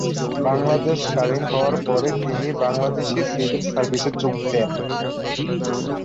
বাংলাদেশ স্বাধীন হওয়ার পরে তিনি বাংলাদেশী সিভিল সার্ভিসে যোগ দেন।